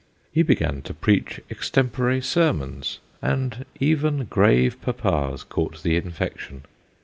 He began to preach extempore sermons, and even grave papas caught the infection.